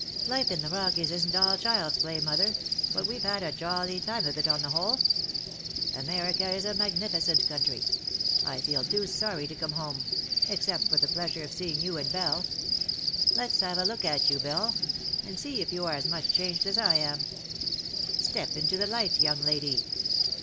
" Life in the Rockies isn't all child's play, mother, but wx've had a jolly time of it, on the whole. 63 America is a magnificent country. I feel deuced sorry to come home — except for the pleasure of seeing you and Belle. Let^s have a look at you, Bcllej and sec if you are as much changed as I am. Step into the light, young lady."